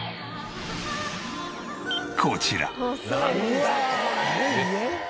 こちら。